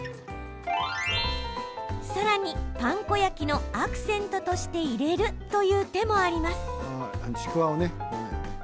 さらにパン粉焼きのアクセントとして入れるという手もあります。